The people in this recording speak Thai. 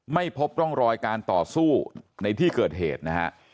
ไม่พบร่องรอยการต่อสู้ในที่เกิดเหตุนะฮะ